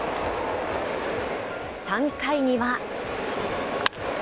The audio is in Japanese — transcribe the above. ３回には。